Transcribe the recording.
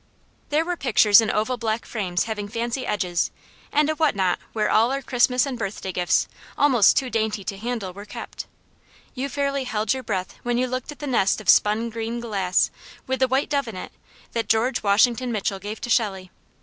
There were pictures in oval black frames having fancy edges, and a whatnot where all our Christmas and birthday gifts, almost too dainty to handle, were kept. You fairly held your breath when you looked at the nest of spun green glass, with the white dove in it, that George Washington Mitchell gave to Shelley.